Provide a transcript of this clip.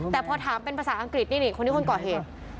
แต่พอถามเป็นภาษาอังกฤษนี่คนนี้คนก่อเหตุ